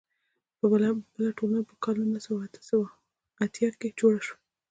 بله ټولنه په کال نولس سوه اتیا کې جوړه شوه.